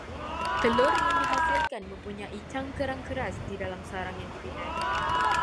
Telur yang dihasilkan mempunyai cangkerang keras di dalam sarang yang dibinanya